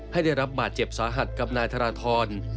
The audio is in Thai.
ได้รับบาดเจ็บสาหัสกับนายธนทร